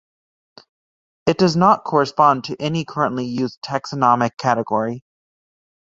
It does not correspond to any currently used taxonomic category.